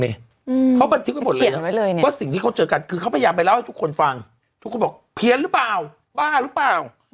เพราะสิ่งที่เขาเจอกันคือเขาพยายามไปเล่าให้ทุกคนฟังทุกคนบอกเพี้ยนหรือเปล่าบ้าหรือเปล่า